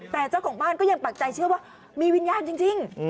แต่เจ้าของบ้านก็ยังปักใจเชื่อว่ามีวิญญาณจริง